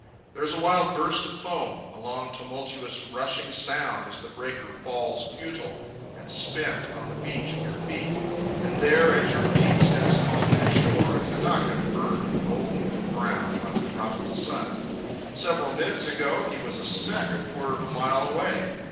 There is a wild burst of foam, a long tumultuous rushing sound as the breaker falls futile and spent on the beach at your feet; and there, at your feet steps calmly ashore a Kanaka, burnt, golden and brown by the tropic sun. Several minutes ago he was a speck a quarter of a mile away.